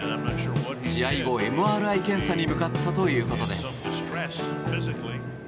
試合後、ＭＲＩ検査に向かったということです。